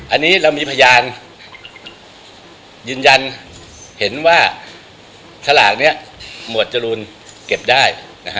อันนี้เรามีพยานยืนยันเห็นว่าสลากนี้หมวดจรูนเก็บได้